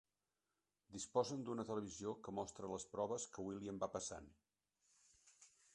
Disposen d'una televisió que mostra les proves que William va passant.